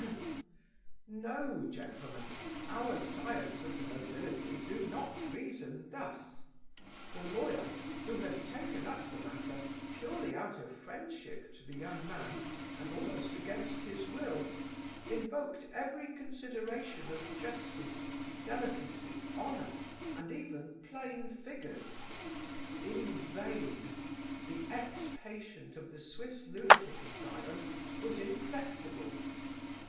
"No, gentlemen, our scions of the nobility do not reason thus. The lawyer, who had taken up the matter purely out of friendship to the young man, and almost against his will, invoked every consideration of justice, delicacy, honour, and even plain figures; in vain, the ex patient of the Swiss lunatic asylum was inflexible.